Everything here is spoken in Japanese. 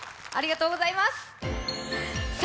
ありがとうございます！